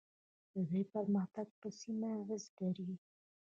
د دوی پرمختګ په سیمه اغیز لري.